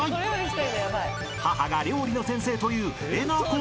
［母が料理の先生という］